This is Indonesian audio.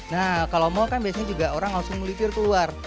nah kalau mall kan biasanya juga orang langsung melitir keluar